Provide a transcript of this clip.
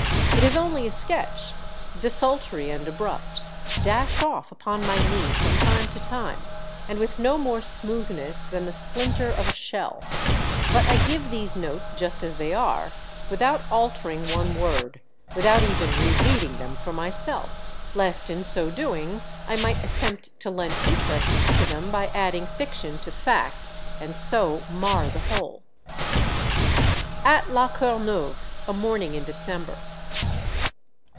It is only a sketch, desultory and abrupt, dashed off upon my knee from time to time, and with no more smoothness than the splinter of a shell. But I give these notes just as they are, without altering one word, without even rereading them for myself, lest in so doing I might attempt to lend interest to them by adding fiction to fact, and so mar the whole. AT LA CORNEUVE, A MORNING IN DECEMBER.